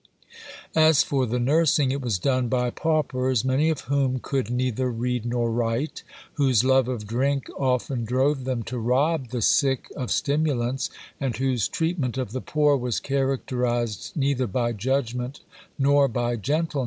As for the nursing, it was done by paupers, many of whom could neither read nor write, whose love of drink often drove them to rob the sick of stimulants, and whose treatment of the poor was characterized neither by judgment nor by gentleness.